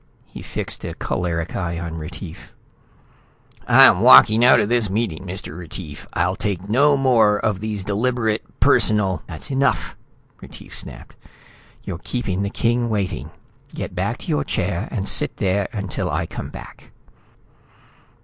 He fixed a choleric eye on Retief. "I am walking out of this meeting, Mr. Retief. I'll take no more of these deliberate personal " "That's enough," Retief snapped. "You're keeping the king waiting. Get back to your chair and sit there until I come back."